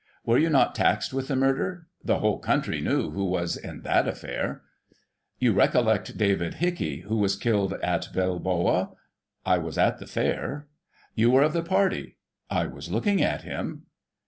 Were you not taxed with the murder ?— The whole country knew who was in that affair. You recollect David Hickey, who was killed at Bilboa ?— I was in the fair. You were of the party ?— I was looking at him.